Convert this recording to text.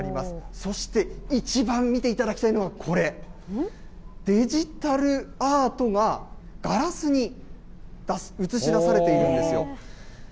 そして、一番見ていただきたいのが、これ、デジタルアートが、ガラスに映し出されているんですよ。